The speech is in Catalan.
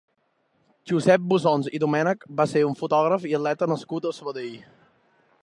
Josep Busoms i Domènech va ser un fotògraf i atleta nascut a Sabadell.